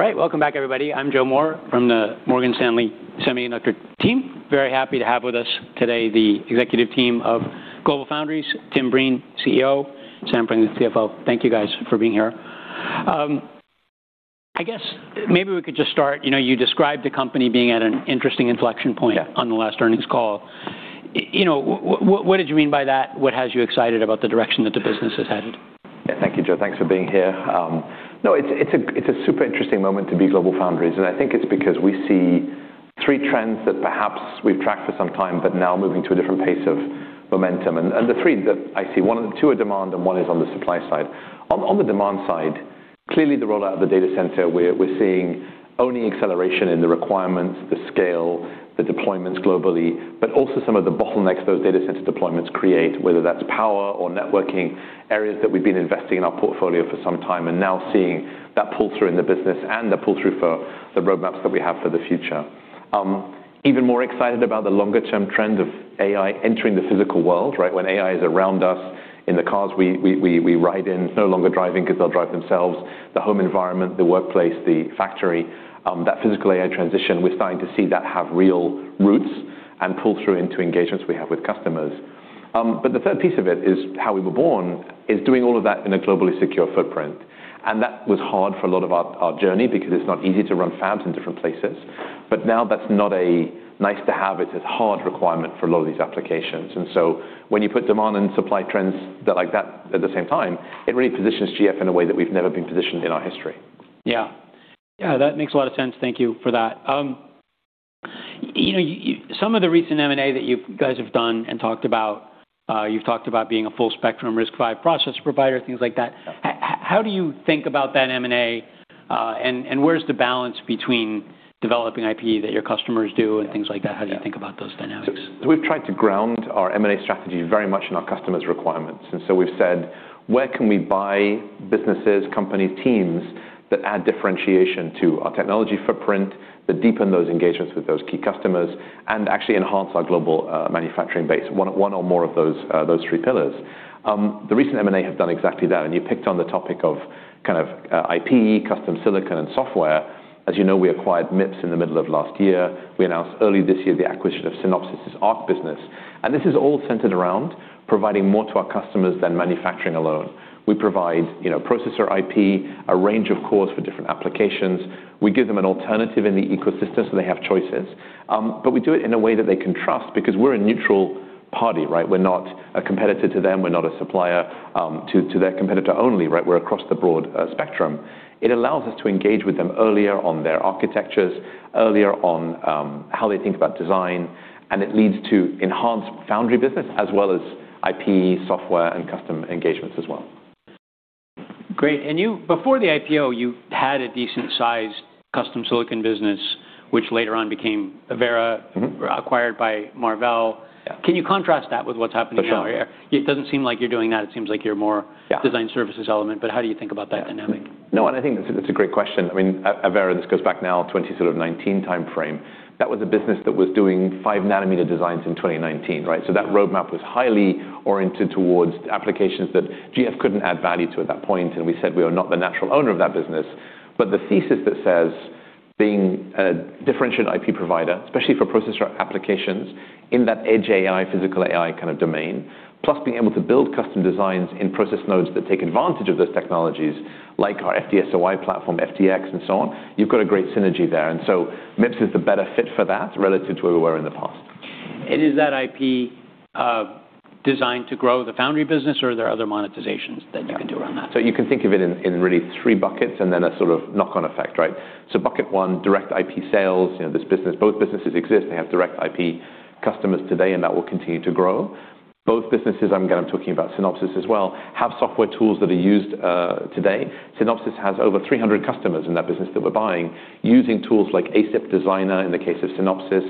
All right. Welcome back, everybody. I'm Joe Moore from the Morgan Stanley Semiconductor team. Very happy to have with us today the executive team of GlobalFoundries, Tim Breen, CEO, Sam Franklin, CFO. Thank you, guys, for being here. I guess maybe we could just start, you know, you described the company being at an interesting inflection point- Yeah on the last earnings call. You know, what did you mean by that? What has you excited about the direction that the business has headed? Yeah. Thank you, Joe. Thanks for being here. No, it's a super interesting moment to be GlobalFoundries, and I think it's because we see three trends that perhaps we've tracked for some time but now moving to a different pace of momentum. The three that I see, two are demand, and one is on the supply side. On the demand side, clearly the rollout of the data center, we're seeing only acceleration in the requirements, the scale, the deployments globally, but also some of the bottlenecks those data center deployments create, whether that's power or networking, areas that we've been investing in our portfolio for some time and now seeing that pull through in the business and the pull-through for the roadmaps that we have for the future. Even more excited about the longer-term trend of AI entering the physical world, right? When AI is around us in the cars we ride in, it's no longer driving because they'll drive themselves, the home environment, the workplace, the factory, that physical AI transition, we're starting to see that have real roots and pull through into engagements we have with customers. The third piece of it is how we were born, is doing all of that in a globally secure footprint. That was hard for a lot of our journey because it's not easy to run fabs in different places. Now that's not a nice to have, it's a hard requirement for a lot of these applications. When you put demand and supply trends like that at the same time, it really positions GF in a way that we've never been positioned in our history. Yeah. Yeah, that makes a lot of sense. Thank you for that. You know, some of the recent M&A that you guys have done and talked about, you've talked about being a full-spectrum RISC-V process provider, things like that. Yeah. How do you think about that M&A, and where's the balance between developing IP that your customers do and things like that? Yeah. How do you think about those dynamics? We've tried to ground our M&A strategy very much in our customers' requirements. We've said, "Where can we buy businesses, companies, teams that add differentiation to our technology footprint, that deepen those engagements with those key customers, and actually enhance our global manufacturing base?" One or more of those three pillars. The recent M&A have done exactly that, and you picked on the topic of kind of IP, custom silicon and software. As you know, we acquired MIPS in the middle of last year. We announced early this year the acquisition of Synopsys' ARC business. This is all centered around providing more to our customers than manufacturing alone. We provide, you know, processor IP, a range of cores for different applications. We give them an alternative in the ecosystem so they have choices, but we do it in a way that they can trust because we're a neutral party, right? We're not a competitor to them, we're not a supplier, to their competitor only, right? We're across the broad spectrum. It allows us to engage with them earlier on their architectures, earlier on how they think about design, and it leads to enhanced foundry business as well as IP, software, and custom engagements as well. Great. before the IPO, you had a decent-sized custom silicon business, which later on became Avera-. Mm-hmm... acquired by Marvell. Yeah. Can you contrast that with what's happening now? For sure. It doesn't seem like you're doing that. It seems like you're more- Yeah... design services element, but how do you think about that dynamic? No. I mean, it's a great question. I mean, Avera, this goes back now 20 sort of 19 timeframe. That was a business that was doing five-nanometer designs in 2019, right? That roadmap was highly oriented towards applications that GF couldn't add value to at that point, and we said we are not the natural owner of that business. The thesis that says being a differentiated IP provider, especially for processor applications in that edge AI, physical AI kind of domain, plus being able to build custom designs in process nodes that take advantage of those technologies like our FD-SOI platform, FDX, and so on, you've got a great synergy there. MIPS is the better fit for that relative to where we were in the past. Is that IP designed to grow the foundry business or are there other monetizations that you can do around that? You can think of it in really three buckets and then a sort of knock-on effect, right? Bucket one, direct IP sales, you know, this business. Both businesses exist. They have direct IP customers today, and that will continue to grow. Both businesses, again, I'm talking about Synopsys as well, have software tools that are used today. Synopsys has over 300 customers in that business that we're buying using tools like ASIP Designer in the case of Synopsys.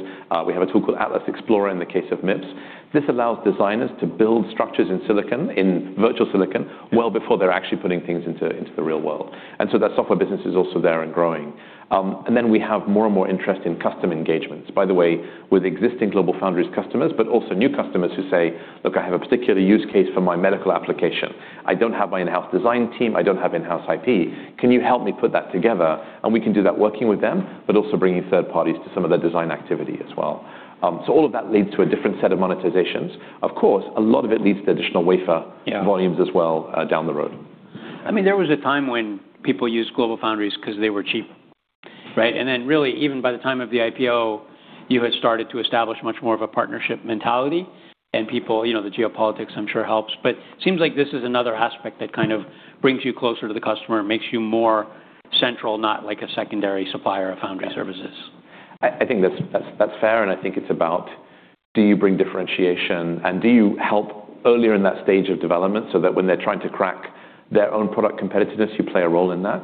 We have a tool called Atlas Explorer in the case of MIPS. This allows designers to build structures in silicon, in virtual silicon, well before they're actually putting things into the real world. That software business is also there and growing. Then we have more and more interest in custom engagements, by the way, with existing GlobalFoundries customers, but also new customers who say, "Look, I have a particular use case for my medical application. I don't have my in-house design team. I don't have in-house IP. Can you help me put that together?" We can do that working with them, but also bringing third parties to some of the design activity as well. All of that leads to a different set of monetizations. Of course, a lot of it leads to additional Yeah... volumes as well, down the road. I mean, there was a time when people used GlobalFoundries because they were cheap, right? Then really, even by the time of the IPO, you had started to establish much more of a partnership mentality and people, you know, the geopolitics I'm sure helps, but seems like this is another aspect that kind of brings you closer to the customer, makes you more central, not like a secondary supplier of foundry services. I think that's fair, and I think it's about do you bring differentiation and do you help earlier in that stage of development so that when they're trying to crack their own product competitiveness, you play a role in that.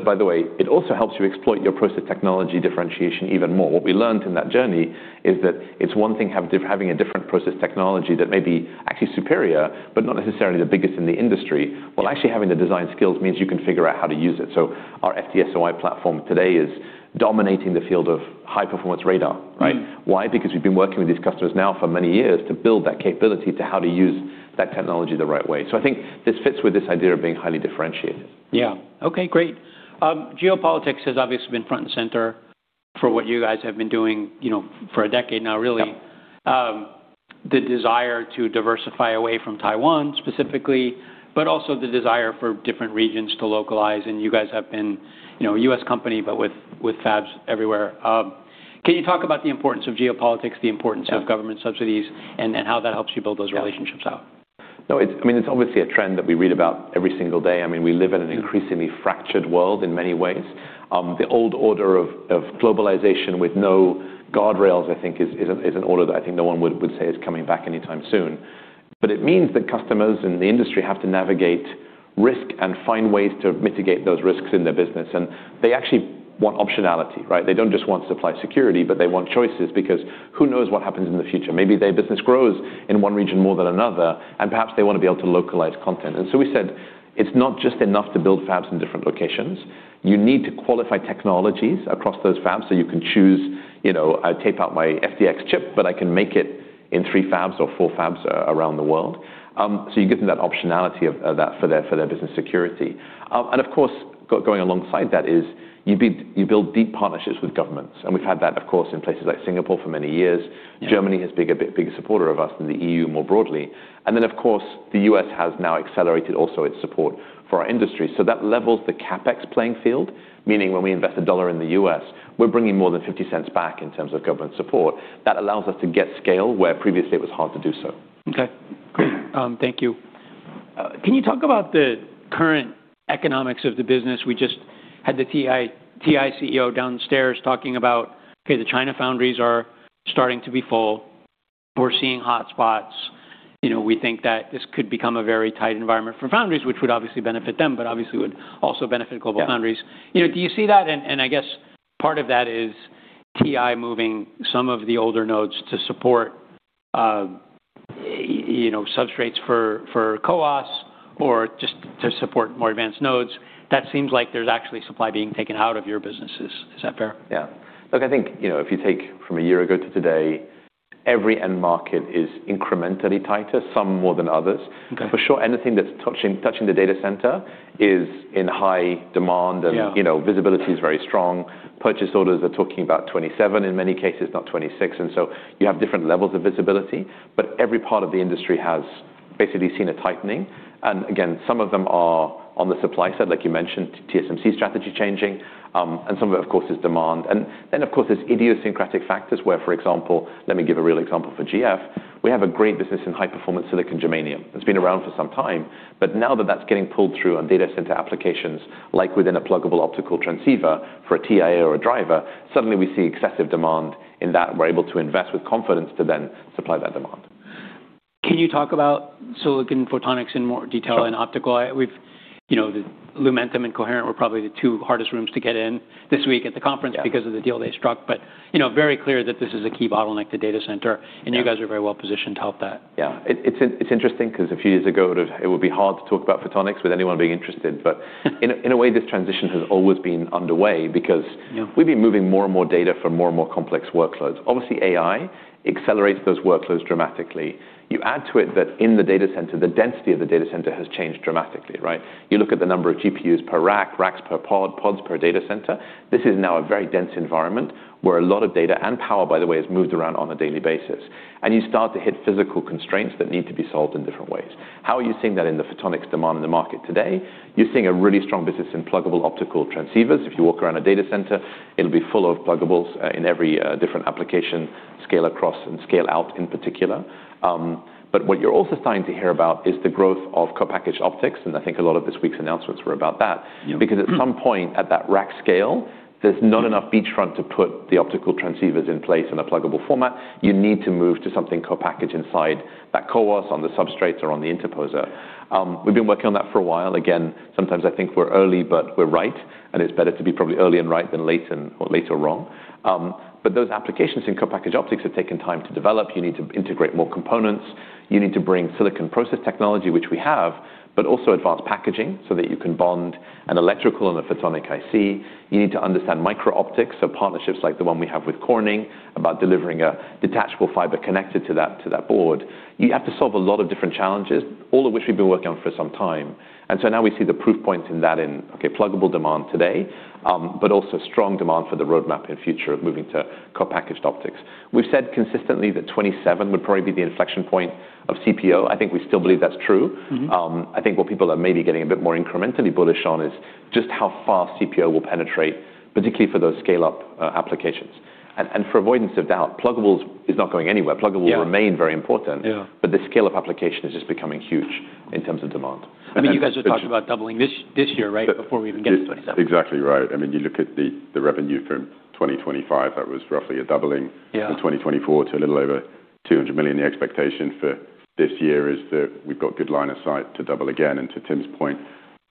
By the way, it also helps you exploit your process technology differentiation even more. What we learned in that journey is that it's one thing having a different process technology that may be actually superior, but not necessarily the biggest in the industry. Well, actually having the design skills means you can figure out how to use it. Our FD-SOI platform today is dominating the field of high-performance radar, right? Mm-hmm. Why? Because we've been working with these customers now for many years to build that capability to how to use that technology the right way. I think this fits with this idea of being highly differentiated. Yeah. Okay, great. Geopolitics has obviously been front and center. For what you guys have been doing, you know, for a decade now really. Yeah The desire to diversify away from Taiwan specifically, but also the desire for different regions to localize, and you guys have been, you know, a U.S. company, but with fabs everywhere. Can you talk about the importance of geopolitics, the importance Yeah... of government subsidies and how that helps you build those relationships out? No, I mean, it's obviously a trend that we read about every single day. I mean, we live in an increasingly fractured world in many ways. The old order of globalization with no guardrails, I think is an order that I think no one would say is coming back anytime soon. It means that customers in the industry have to navigate risk and find ways to mitigate those risks in their business, and they actually want optionality, right? They don't just want supply security, but they want choices because who knows what happens in the future. Maybe their business grows in one region more than another, and perhaps they wanna be able to localize content. We said, "It's not just enough to build fabs in different locations. You need to qualify technologies across those fabs so you can choose, you know, I tape out my FDX chip, but I can make it in three fabs or four fabs around the world." You give them that optionality of that for their business security. Of course, going alongside that is you build deep partnerships with governments, and we've had that, of course, in places like Singapore for many years. Yeah. Germany has been a big supporter of us, and the EU more broadly. Of course, the U.S. has now accelerated also its support for our industry. That levels the CapEx playing field, meaning when we invest $1 in the U.S., we're bringing more than $0.50 back in terms of government support. That allows us to get scale where previously it was hard to do so. Thank you. Can you talk about the current economics of the business? We just had the TI CEO downstairs talking about, okay, the China foundries are starting to be full. We're seeing hotspots. You know, we think that this could become a very tight environment for foundries, which would obviously benefit them, but obviously would also benefit GlobalFoundries. Yeah. You know, do you see that? I guess part of that is TI moving some of the older nodes to support, you know, substrates for CoWoS or just to support more advanced nodes. That seems like there's actually supply being taken out of your business. Is, is that fair? Yeah. Look, I think, you know, if you take from a year ago to today, every end market is incrementally tighter, some more than others. Okay. For sure, anything that's touching the data center is in high demand. Yeah You know, visibility is very strong. Purchase orders are talking about 2027 in many cases, not 2026, so you have different levels of visibility. Every part of the industry has basically seen a tightening. Again, some of them are on the supply side, like you mentioned, TSMC's strategy changing, and some of it, of course, is demand. Then, of course, there's idiosyncratic factors where, for example, let me give a real example for GF. We have a great business in high-performance silicon germanium. It's been around for some time, but now that that's getting pulled through on data center applications, like within a pluggable optical transceiver for a TIA or a driver, suddenly we see excessive demand in that and we're able to invest with confidence to then supply that demand. Can you talk about silicon photonics in more detail? Sure Optical? You know, Lumentum and Coherent were probably the two hardest rooms to get in this week at the conference. Yeah Because of the deal they struck. you know, very clear that this is a key bottleneck to data center- Yeah You guys are very well positioned to help that. Yeah. It's interesting because a few years ago, it would be hard to talk about photonics with anyone being interested. In a way, this transition has always been underway because. Yeah We've been moving more and more data for more and more complex workloads. Obviously, AI accelerates those workloads dramatically. You add to it that in the data center, the density of the data center has changed dramatically, right? You look at the number of GPUs per rack, racks per pod, pods per data center. This is now a very dense environment where a lot of data and power, by the way, is moved around on a daily basis, and you start to hit physical constraints that need to be solved in different ways. How are you seeing that in the photonics demand in the market today? You're seeing a really strong business in pluggable optical transceivers. If you walk around a data center, it'll be full of pluggables, in every different application, scale across and scale out in particular. What you're also starting to hear about is the growth of co-packaged optics, and I think a lot of this week's announcements were about that. Yeah. At some point at that rack scale, there's not enough beachfront to put the optical transceivers in place in a pluggable format. You need to move to something co-package inside that CoWoS on the substrates or on the interposer. We've been working on that for a while. Sometimes I think we're early, but we're right, and it's better to be probably early and right than late or wrong. Those applications in co-packaged optics have taken time to develop. You need to integrate more components. You need to bring silicon process technology, which we have, but also advanced packaging so that you can bond an electrical and a photonic IC. You need to understand micro-optics, partnerships like the one we have with Corning about delivering a detachable fiber connected to that board. You have to solve a lot of different challenges, all of which we've been working on for some time. Now we see the proof points in that in, okay, pluggable demand today, but also strong demand for the roadmap and future of moving to co-packaged optics. We've said consistently that 2027 would probably be the inflection point of CPO. I think we still believe that's true. Mm-hmm. I think what people are maybe getting a bit more incrementally bullish on is just how fast CPO will penetrate, particularly for those scale-up applications. For avoidance of doubt, pluggable is not going anywhere Yeah... will remain very important. Yeah. The scale-up application is just becoming huge in terms of demand. I mean, you guys are talking about doubling this year, right, before we even get to 2027. Exactly right. I mean, you look at the revenue from 2025, that was roughly a doubling-. Yeah... from 2024 to a little over $200 million. The expectation for this year is that we've got good line of sight to double again. To Tim's point,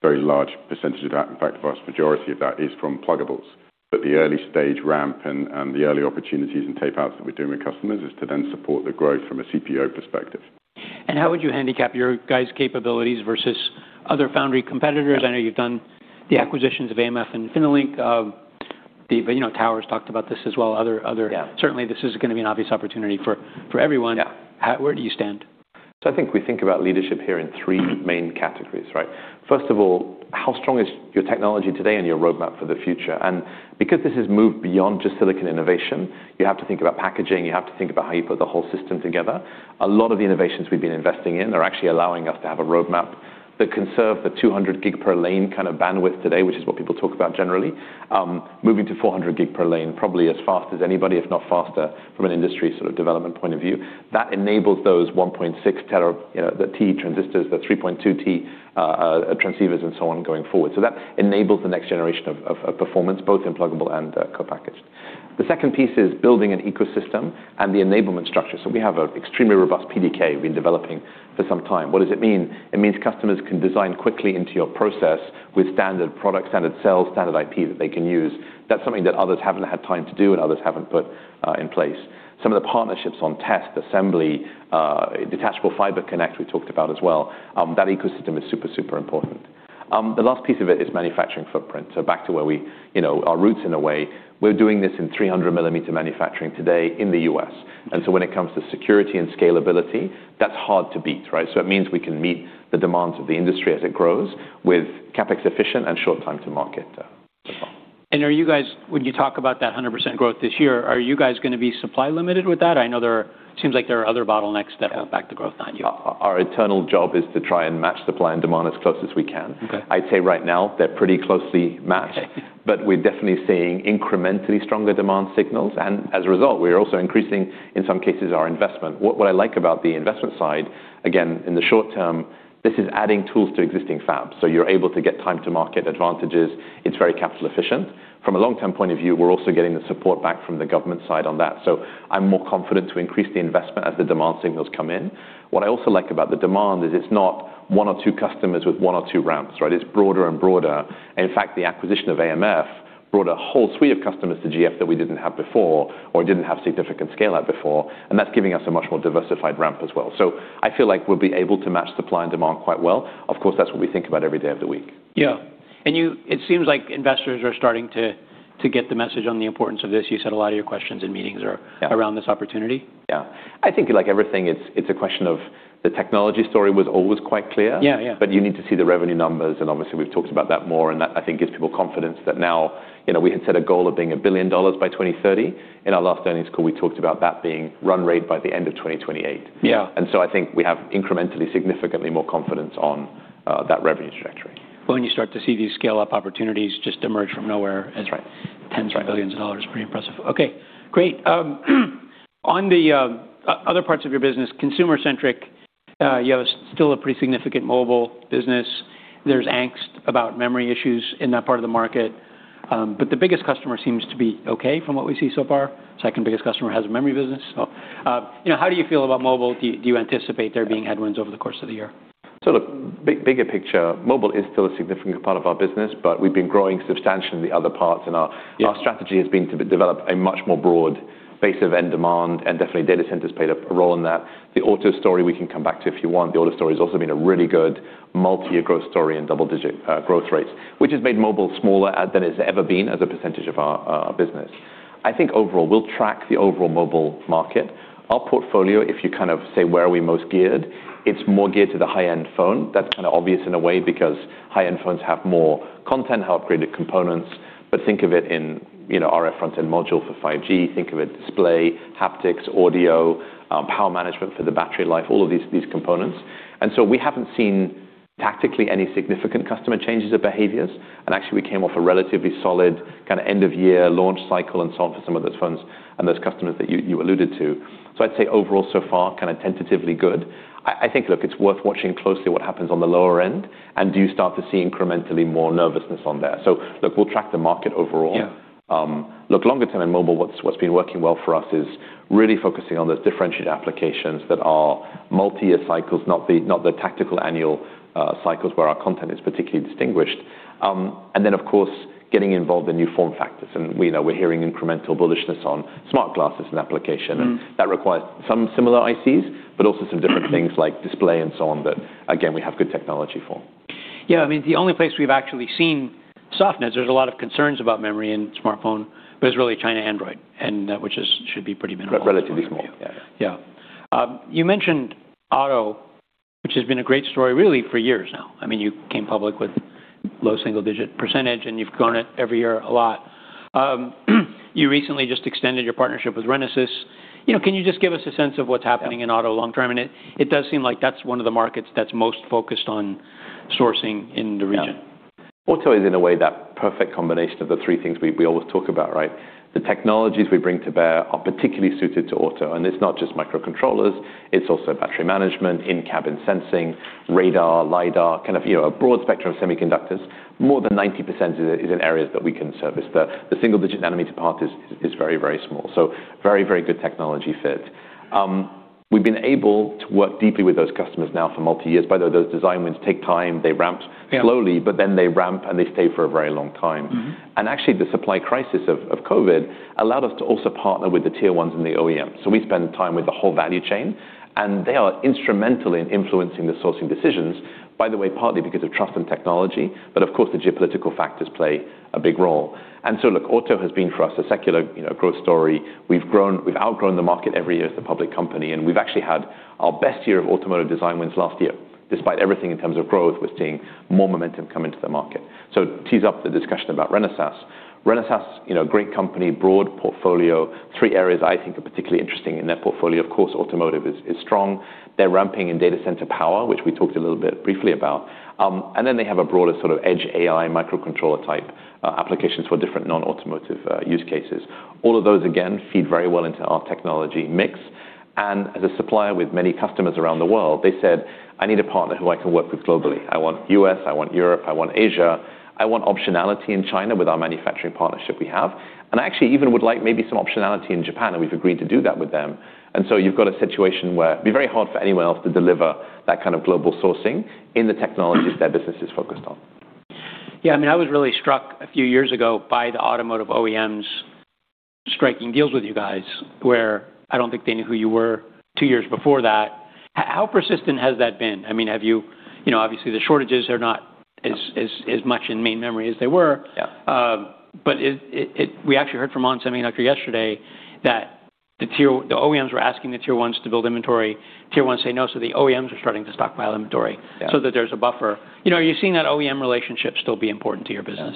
very large percent of that, in fact, vast majority of that is from pluggables. The early-stage ramp and the early opportunities and tape outs that we do with customers is to then support the growth from a CPO perspective. How would you handicap your guys' capabilities versus other foundry competitors? Yeah. I know you've done the acquisitions of AMF and InfiniLink. You know, Tower's talked about this as well, other. Yeah. Certainly, this is gonna be an obvious opportunity for everyone. Yeah. Where do you stand? I think we think about leadership here in three main categories, right? First of all, how strong is your technology today and your roadmap for the future? Because this has moved beyond just silicon innovation, you have to think about packaging, you have to think about how you put the whole system together. A lot of the innovations we've been investing in are actually allowing us to have a roadmap that can serve the 200G per lane kind of bandwidth today, which is what people talk about generally, moving to 400G per lane probably as fast as anybody, if not faster from an industry sort of development point of view. That enables those 1.6T, you know, the T transistors, the 3.2T transceivers and so on going forward. That enables the next generation of performance, both in pluggable and co-packaged. The second piece is building an ecosystem and the enablement structure. We have an extremely robust PDK we've been developing for some time. What does it mean? It means customers can design quickly into your process with standard products, standard cells, standard IP that they can use. That's something that others haven't had time to do and others haven't put in place. Some of the partnerships on test, assembly, detachable fiber connect, we talked about as well, that ecosystem is super important. The last piece of it is manufacturing footprint. Back to where we, you know, our roots in a way, we're doing this in 300 mm manufacturing today in the U.S. When it comes to security and scalability, that's hard to beat, right? It means we can meet the demands of the industry as it grows with CapEx efficient and short time to market, as well. When you talk about that 100% growth this year, are you guys gonna be supply limited with that? I know there seems like there are other bottlenecks that hold back the growth on you. Our eternal job is to try and match supply and demand as close as we can. Okay. I'd say right now they're pretty closely matched. Okay. We're definitely seeing incrementally stronger demand signals. As a result, we are also increasing, in some cases, our investment. What I like about the investment side, again, in the short term, this is adding tools to existing fabs. You're able to get time to market advantages. It's very capital efficient. From a long-term point of view, we're also getting the support back from the government side on that. I'm more confident to increase the investment as the demand signals come in. What I also like about the demand is it's not one or two customers with one or two ramps, right? It's broader and broader. In fact, the acquisition of AMF brought a whole suite of customers to GF that we didn't have before or didn't have significant scale at before, and that's giving us a much more diversified ramp as well. I feel like we'll be able to match supply and demand quite well. Of course, that's what we think about every day of the week. Yeah. It seems like investors are starting to get the message on the importance of this. You said a lot of your questions in meetings are- Yeah around this opportunity. Yeah. I think like everything, it's a question of the technology story was always quite clear. Yeah. Yeah. You need to see the revenue numbers, and obviously, we've talked about that more, and that, I think, gives people confidence that now, you know, we had set a goal of being $1 billion by 2030. In our last earnings call, we talked about that being run rate by the end of 2028. Yeah. I think we have incrementally, significantly more confidence on that revenue trajectory. When you start to see these scale-up opportunities just emerge from nowhere. That's right. Tens of billions of dollars, pretty impressive. Okay, great. On the other parts of your business, consumer-centric, you have still a pretty significant mobile business. There's angst about memory issues in that part of the market, but the biggest customer seems to be okay from what we see so far. Second biggest customer has a memory business. You know, how do you feel about mobile? Do you anticipate there being headwinds over the course of the year? Sort of bigger picture, mobile is still a significant part of our business, but we've been growing substantially the other parts. Yeah Our strategy has been to develop a much more broad base of end demand, and definitely data centers played a role in that. The auto story we can come back to if you want. The auto story has also been a really good multi-year growth story and double-digit growth rates, which has made mobile smaller than it's ever been as a percentage of our business. I think overall, we'll track the overall mobile market. Our portfolio, if you kind of say, where are we most geared, it's more geared to the high-end phone. That's kind of obvious in a way because high-end phones have more content, have upgraded components. Think of it in, you know, RF front-end module for 5G. Think of it display, haptics, audio, power management for the battery life, all of these components. We haven't seen tactically any significant customer changes of behaviors. Actually, we came off a relatively solid kinda end of year launch cycle and so on for some of those phones and those customers that you alluded to. I'd say overall so far, kinda tentatively good. I think, look, it's worth watching closely what happens on the lower end, and do you start to see incrementally more nervousness on there. Look, we'll track the market overall. Yeah. Look, longer term in mobile, what's been working well for us is really focusing on those differentiated applications that are multi-year cycles, not the tactical annual cycles where our content is particularly distinguished. Then of course, getting involved in new form factors. We know we're hearing incremental bullishness on smart glasses and application. Mm. That requires some similar ICs, but also some different things like display and so on that, again, we have good technology for. Yeah. I mean, the only place we've actually seen softness, there's a lot of concerns about memory in smartphone, but it's really China Android, and which is should be pretty minimal from your view. Relatively small. Yeah. Yeah. You mentioned auto, which has been a great story really for years now. I mean, you came public with low single-digit percentage, and you've grown it every year a lot. You recently just extended your partnership with Renesas. You know, can you just give us a sense of what's happening Yeah... in auto long term. It does seem like that's one of the markets that's most focused on sourcing in the region. Auto is, in a way, that perfect combination of the three things we always talk about, right. The technologies we bring to bear are particularly suited to auto, and it's not just microcontrollers, it's also battery management, in-cabin sensing, radar, lidar, kind of, you know, a broad spectrum of semiconductors. More than 90% is in areas that we can service. The single-digit nanometer part is very, very small. Very, very good technology fit. We've been able to work deeply with those customers now for multi-years. By the way, those design wins take time. They ramp. Yeah Slowly, but then they ramp, and they stay for a very long time. Mm-hmm. Actually, the supply crisis of COVID allowed us to also partner with the Tier 1s and the OEMs. We spend time with the whole value chain, and they are instrumental in influencing the sourcing decisions, by the way, partly because of trust and technology, but of course, the geopolitical factors play a big role. Look, auto has been for us a secular, you know, growth story. We've outgrown the market every year as a public company, and we've actually had our best year of automotive design wins last year. Despite everything in terms of growth, we're seeing more momentum come into the market. Tee up the discussion about Renesas. Renesas, you know, great company, broad portfolio. Three areas I think are particularly interesting in their portfolio. Of course, automotive is strong. They're ramping in data center power, which we talked a little bit briefly about. Then they have a broader sort of edge AI microcontroller-type applications for different non-automotive use cases. All of those, again, feed very well into our technology mix. As a supplier with many customers around the world, they said, "I need a partner who I can work with globally. I want U.S., I want Europe, I want Asia. I want optionality in China with our manufacturing partnership we have, and I actually even would like maybe some optionality in Japan," and we've agreed to do that with them. You've got a situation where it'd be very hard for anyone else to deliver that kind of global sourcing in the technologies their business is focused on. Yeah, I mean, I was really struck a few years ago by the automotive OEMs striking deals with you guys, where I don't think they knew who you were two years before that. How persistent has that been? I mean, you know, obviously, the shortages are not as much in main memory as they were. Yeah. We actually heard from ON Semiconductor yesterday that the OEMs were asking the tier ones to build inventory. Tier ones say no, the OEMs are starting to stockpile inventory. Yeah. That there's a buffer. You know, are you seeing that OEM relationship still be important to your business?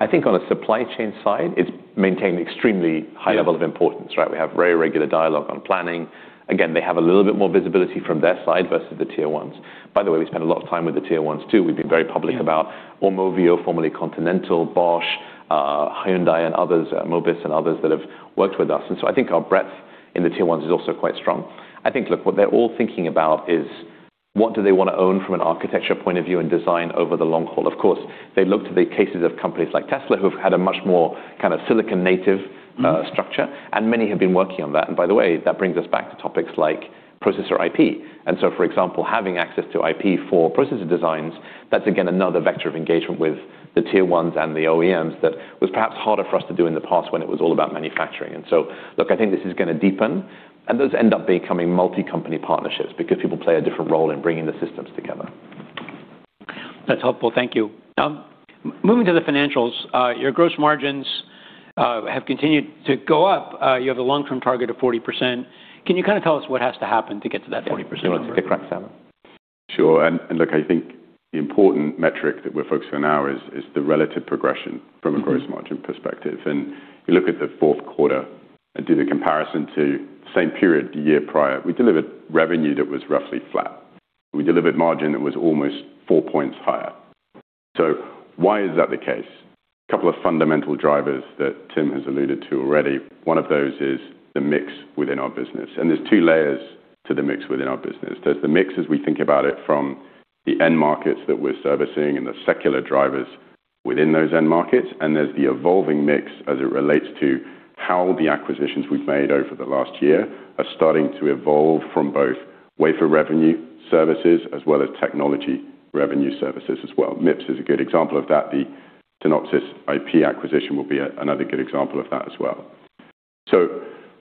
On a supply chain side, it's maintained extremely high level of importance, right? We have very regular dialogue on planning. Again, they have a little bit more visibility from their side versus the tier ones. By the way, we spend a lot of time with the tier ones, too. We've been very public about Aumovio, formerly Continental, Bosch, Hyundai and others, Mobis and others that have worked with us. Our breadth in the tier ones is also quite strong. Look, what they're all thinking about is what do they wanna own from an architecture point of view and design over the long haul. They look to the cases of companies like Tesla, who've had a much more kind of silicon-native structure, and many have been working on that. By the way, that brings us back to topics like processor IP. For example, having access to IP for processor designs, that's again another vector of engagement with the Tier 1s and the OEMs that was perhaps harder for us to do in the past when it was all about manufacturing. Look, I think this is gonna deepen, and those end up becoming multi-company partnerships because people play a different role in bringing the systems together. That's helpful. Thank you. moving to the financials, your gross margins, have continued to go up. You have a long-term target of 40%. Can you kinda tell us what has to happen to get to that 40% number? Yeah. Do you want to take that, Sam? Sure. Look, I think the important metric that we're focusing on now is the relative progression from a gross margin perspective. You look at the fourth quarter and do the comparison to same period the year prior, we delivered revenue that was roughly flat. We delivered margin that was almost 4 points higher. Why is that the case? A couple of fundamental drivers that Tim has alluded to already. One of those is the mix within our business, and there's two layers to the mix within our business. There's the mix as we think about it from the end markets that we're servicing and the secular drivers within those end markets, and there's the evolving mix as it relates to how the acquisitions we've made over the last year are starting to evolve from both wafer revenue services as well as technology revenue services as well. MIPS is a good example of that. The Synopsys IP acquisition will be another good example of that as well.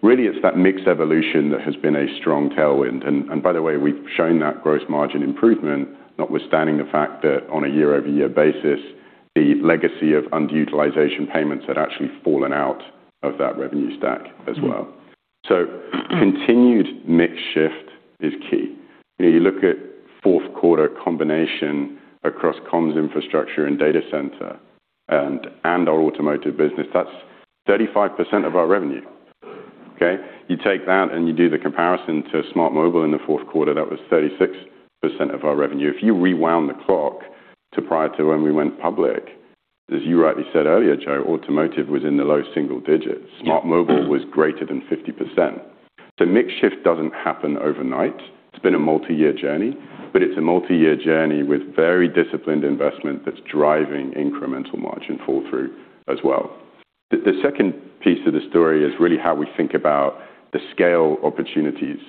Really, it's that mix evolution that has been a strong tailwind. By the way, we've shown that gross margin improvement notwithstanding the fact that on a year-over-year basis, the legacy of underutilization payments had actually fallen out of that revenue stack as well. Continued mix shift is key. You know, you look at fourth quarter combination across comms infrastructure and data center and our automotive business, that's 35% of our revenue, okay? You take that, you do the comparison to smart mobile in the fourth quarter, that was 36% of our revenue. If you rewound the clock to prior to when we went public, as you rightly said earlier, Joe, automotive was in the low single digits. Smart mobile was greater than 50%. Mix shift doesn't happen overnight. It's been a multi-year journey, but it's a multi-year journey with very disciplined investment that's driving incremental margin fall through as well. The second piece of the story is really how we think about the scale opportunities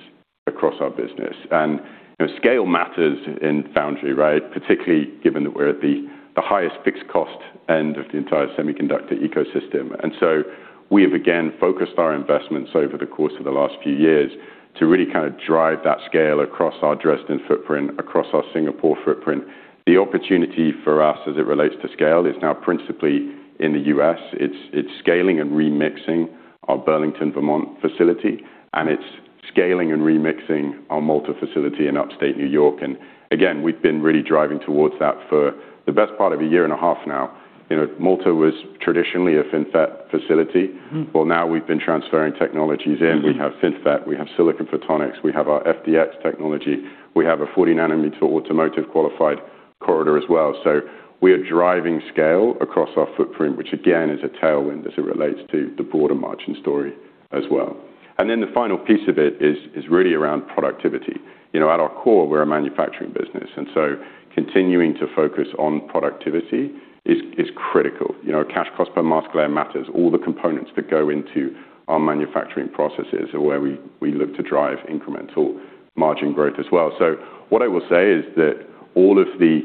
across our business. You know, scale matters in foundry, right? Particularly given that we're at the highest fixed cost end of the entire semiconductor ecosystem. So we have, again, focused our investments over the course of the last few years to really kinda drive that scale across our Dresden footprint, across our Singapore footprint. The opportunity for us as it relates to scale is now principally in the U.S. It's, it's scaling and remixing our Burlington, Vermont facility, and it's scaling and remixing our Malta facility in upstate New York. Again, we've been really driving towards that for the best part of a year and a half now. You know, Malta was traditionally a FinFET facility. Mm-hmm. Well, now we've been transferring technologies in. We have FinFET. We have silicon photonics. We have our FDX technology. We have a 40-nanometer automotive qualified corridor as well. We are driving scale across our footprint, which again, is a tailwind as it relates to the broader margin story as well. The final piece of it is really around productivity. You know, at our core, we're a manufacturing business, and so continuing to focus on productivity is critical. You know, cash cost per mask layer matters. All the components that go into our manufacturing processes are where we look to drive incremental margin growth as well. What I will say is that all of the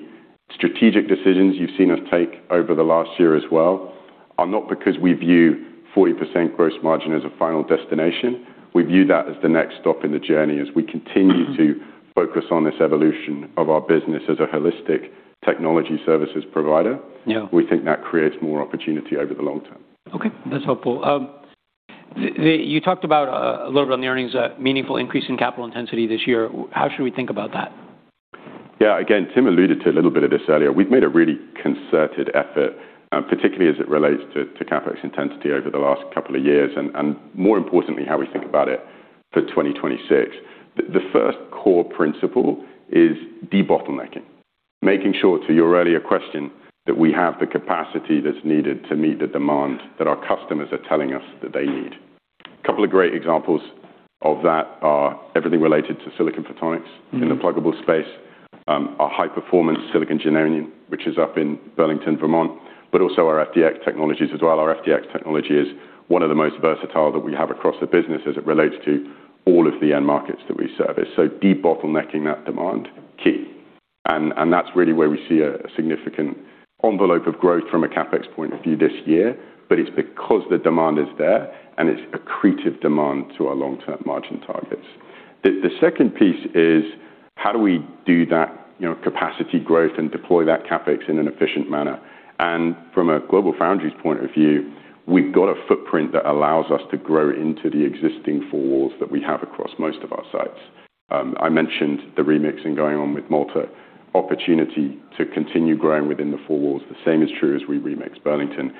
strategic decisions you've seen us take over the last year as well are not because we view 40% gross margin as a final destination. We view that as the next stop in the journey as we continue to focus on this evolution of our business as a holistic technology services provider. Yeah. We think that creates more opportunity over the long term. Okay. That's helpful. You talked about a little bit on the earnings, a meaningful increase in capital intensity this year. How should we think about that? Again, Tim alluded to a little bit of this earlier. We've made a really concerted effort, particularly as it relates to CapEx intensity over the last couple of years, and more importantly, how we think about it for 2026. The first core principle is debottlenecking, making sure to your earlier question that we have the capacity that's needed to meet the demand that our customers are telling us that they need. A couple of great examples of that are everything related to silicon photonics in the pluggable space, our high-performance silicon germanium, which is up in Burlington, Vermont, but also our FDX technologies as well. Our FDX technology is one of the most versatile that we have across the business as it relates to all of the end markets that we service. Debottlenecking that demand, key. That's really where we see a significant envelope of growth from a CapEx point of view this year, but it's because the demand is there, and it's accretive demand to our long-term margin targets. The second piece is how do we do that, you know, capacity growth and deploy that CapEx in an efficient manner? From a GlobalFoundries point of view, we've got a footprint that allows us to grow into the existing four walls that we have across most of our sites. I mentioned the remixing going on with Malta, opportunity to continue growing within the four walls. The same is true as we remix Burlington.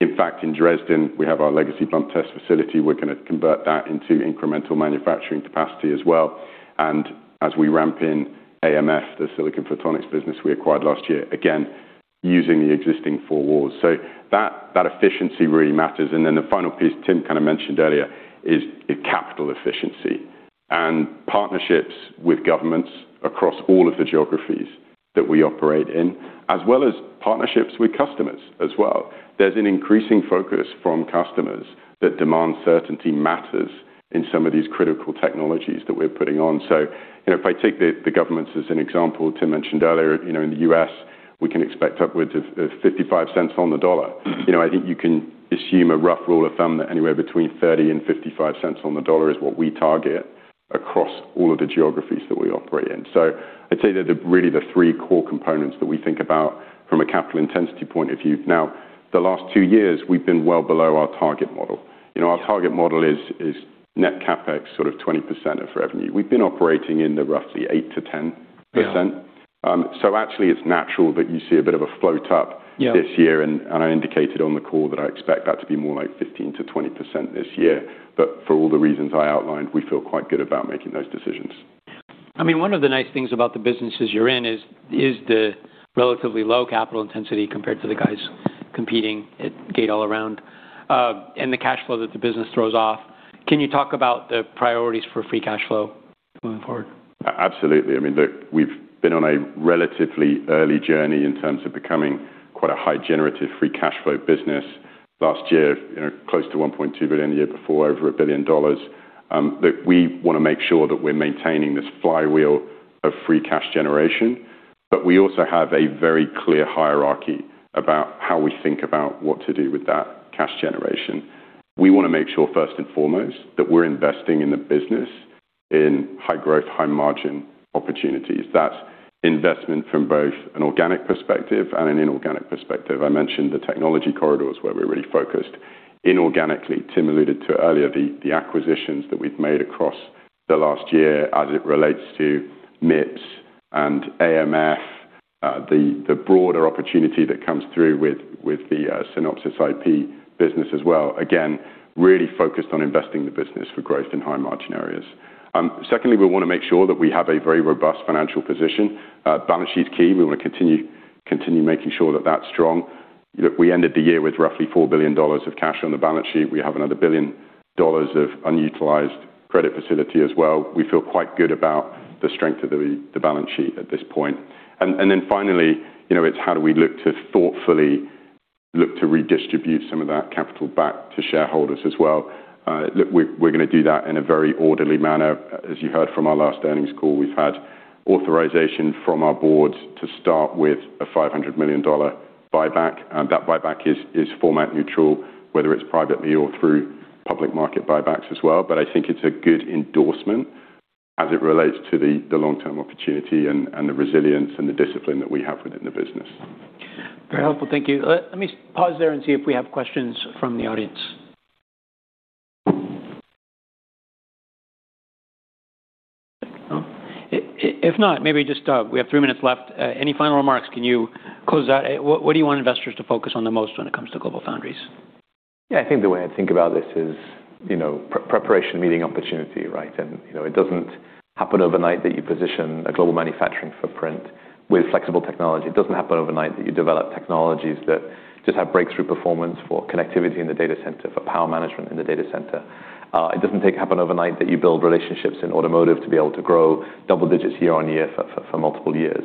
In fact, in Dresden, we have our legacy bump test facility. We're gonna convert that into incremental manufacturing capacity as well. As we ramp in AMF, the silicon photonics business we acquired last year, again, using the existing four walls. That efficiency really matters. The final piece Tim kind of mentioned earlier is capital efficiency and partnerships with governments across all of the geographies that we operate in, as well as partnerships with customers as well. There's an increasing focus from customers that demand certainty matters in some of these critical technologies that we're putting on. You know, if I take the governments as an example, Tim mentioned earlier, you know, in the U.S., we can expect upwards of $0.55 on the dollar. You know, I think you can assume a rough rule of thumb that anywhere between $0.30 and $0.55 on the dollar is what we target across all of the geographies that we operate in. I'd say they're really the three core components that we think about from a capital intensity point of view. Now, the last two years, we've been well below our target model. You know, our target model is net CapEx sort of 20% of revenue. We've been operating in the roughly 8%-10%. Yeah. Actually it's natural that you see a bit of a float up- Yeah... this year, and I indicated on the call that I expect that to be more like 15%-20% this year. For all the reasons I outlined, we feel quite good about making those decisions. I mean, one of the nice things about the businesses you're in is the relatively low capital intensity compared to the guys competing at Gate-All-Around, and the cash flow that the business throws off. Can you talk about the priorities for free cash flow moving forward? Absolutely. I mean, look, we've been on a relatively early journey in terms of becoming quite a high generative free cash flow business. Last year, you know, close to $1.2 billion, the year before, over $1 billion, that we wanna make sure that we're maintaining this flywheel of free cash generation. We also have a very clear hierarchy about how we think about what to do with that cash generation. We wanna make sure first and foremost that we're investing in the business in high growth, high margin opportunities. That's investment from both an organic perspective and an inorganic perspective. I mentioned the technology corridors where we're really focused inorganically. Tim alluded to it earlier, the acquisitions that we've made across the last year as it relates to MIPS and AMF, the broader opportunity that comes through with the Synopsys IP business as well, again, really focused on investing the business for growth in high margin areas. Secondly, we wanna make sure that we have a very robust financial position. Balance sheet's key. We wanna continue making sure that that's strong. Look, we ended the year with roughly $4 billion of cash on the balance sheet. We have another $1 billion of unutilized credit facility as well. We feel quite good about the strength of the balance sheet at this point. Finally, you know, it's how do we look to thoughtfully look to redistribute some of that capital back to shareholders as well? Look, we're gonna do that in a very orderly manner. As you heard from our last earnings call, we've had authorization from our board to start with a $500 million buyback, and that buyback is format neutral, whether it's privately or through public market buybacks as well. I think it's a good endorsement as it relates to the long-term opportunity and the resilience and the discipline that we have within the business. Very helpful. Thank you. Let me pause there and see if we have questions from the audience. No? If not, maybe just, we have three minutes left, any final remarks? Can you close out? What, what do you want investors to focus on the most when it comes to GlobalFoundries? Yeah. I think the way I think about this is, you know, preparation meeting opportunity, right? You know, it doesn't happen overnight that you position a global manufacturing footprint with flexible technology. It doesn't happen overnight that you develop technologies that just have breakthrough performance for connectivity in the data center, for power management in the data center. It doesn't happen overnight that you build relationships in automotive to be able to grow double digits year-on-year for multiple years.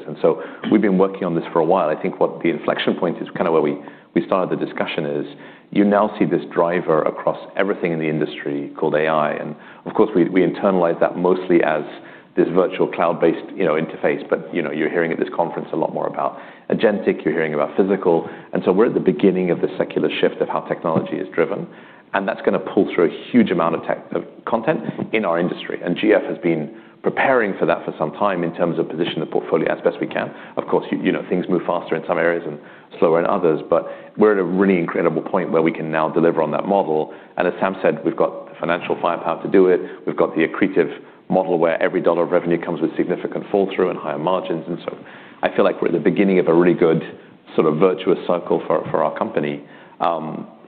We've been working on this for a while. I think what the inflection point is kinda where we started the discussion is you now see this driver across everything in the industry called AI. Of course, we internalize that mostly as this virtual cloud-based, you know, interface, but, you know, you're hearing at this conference a lot more about agentic, you're hearing about physical. So we're at the beginning of the secular shift of how technology is driven, and that's gonna pull through a huge amount of content in our industry. GF has been preparing for that for some time in terms of position the portfolio as best we can. Of course, you know, things move faster in some areas and slower in others, but we're at a really incredible point where we can now deliver on that model. As Sam said, we've got the financial firepower to do it. We've got the accretive model where every $1 of revenue comes with significant fall through and higher margins. I feel like we're at the beginning of a really good sort of virtuous cycle for our company,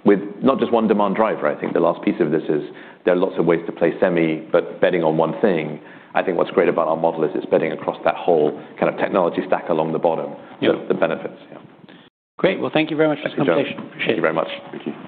with not just one demand driver. I think the last piece of this is there are lots of ways to play semi, but betting on one thing, I think what's great about our model is it's betting across that whole kind of technology stack along the bottom. Yeah The benefits. Yeah. Great. Well, thank you very much for this conversation. Thank you very much. Appreciate it.